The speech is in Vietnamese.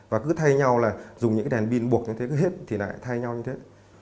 và cứ thay nhau là dùng những cái đèn pin buộc như thế cứ hết thì lại thay nhau như thế